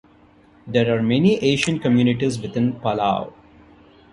There are many Asian communities within Palau.